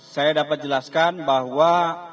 saya dapat jelaskan bahwa